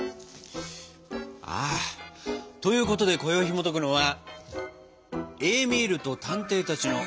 あということでこよいひもとくのは「エーミールと探偵たち」のさくらんぼケーキ。